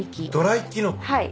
はい。